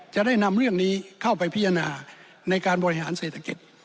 จะได้นำเรื่องนี้เข้าไปพิจารณาในการบริหารเศรษฐกิจ